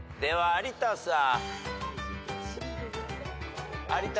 有田さん？